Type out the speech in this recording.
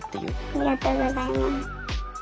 ありがとうございます。